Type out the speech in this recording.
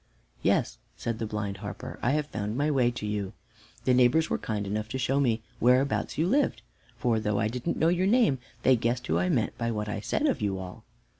"Yes," said the blind harper, "I have found my way to you. The neighbors were kind enough to show me where abouts you lived; for, though I didn't know your name, they guessed who I meant by what I said of you all."